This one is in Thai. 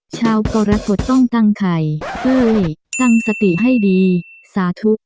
ชาวก็รับผลต้องตั้งไข่เพื่อตั้งสติให้ดีสาธุ